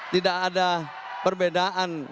tidak ada perbedaan